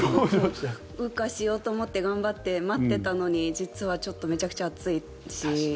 羽化しようと思って頑張って待っていたのに実はちょっとめちゃくちゃ暑いし。